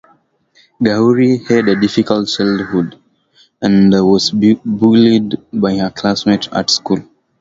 Ghauri had a difficult childhood, and was bullied by her classmates at school.